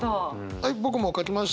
はい僕も書きました。